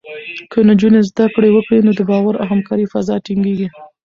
که نجونې زده کړه وکړي، نو د باور او همکارۍ فضا ټینګېږي.